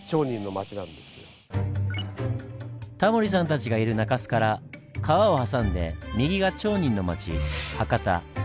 タモリさんたちがいる中洲から川を挟んで右が町人の町博多。